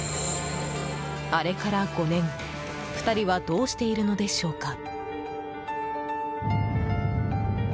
あれから５年、２人はどうしているのでしょうか。